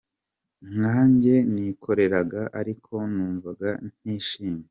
Nka njye nikoreraga ariko numvaga ntishimye.